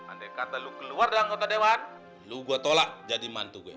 andai kata lo keluar dari anggota dewan lu gue tolak jadi mantu gue